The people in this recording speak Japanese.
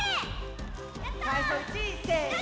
さいしょ１！せの！